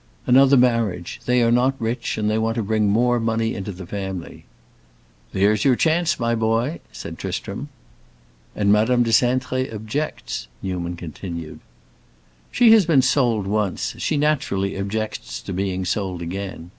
"Another marriage. They are not rich, and they want to bring more money into the family." "There's your chance, my boy!" said Tristram. "And Madame de Cintré objects," Newman continued. "She has been sold once; she naturally objects to being sold again.